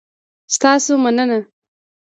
ستاسو مننه؟